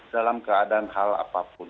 dalam keadaan hal apapun